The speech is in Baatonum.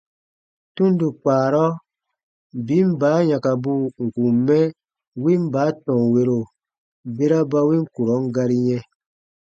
Tundo kpaarɔ, biin baa yãkabuu n kùn mɛ win baa tɔnwero bera ba win kurɔn gari yɛ̃,